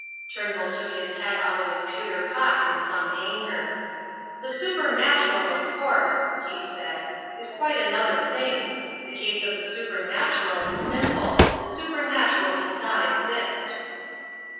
Turnbull took his head out of his pewter pot in some anger. "The supernatural, of course," he said, "is quite another thing; the case of the supernatural is simple. The supernatural does not exist."